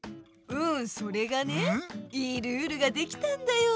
うんそれがねいいルールができたんだよ。